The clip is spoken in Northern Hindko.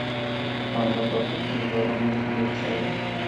نانگا پربت دا نظارہ مُچ ہی ہچھا ہے۔